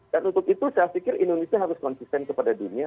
dan untuk itu saya pikir indonesia harus konsisten kepada dunia